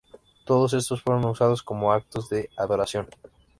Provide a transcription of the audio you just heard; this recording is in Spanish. Todos estos fueron usados como actos de adoración.